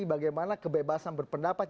bagaimana kebebasan berpendapat